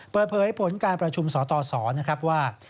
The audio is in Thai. เปิดเผยผลการประชุมสตสนะครับว่า